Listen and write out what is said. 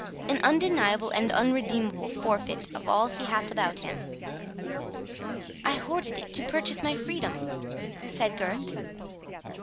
An undeniable and unredeemable forfeit of all he hath about him." "I hoarded it to purchase my freedom," said Gurth.